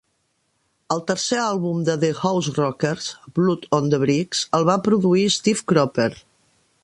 El tercer àlbum de The Houserockers, "Blood on the Bricks", el va produir Steve Cropper.